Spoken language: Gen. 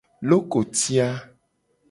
Lokoti a.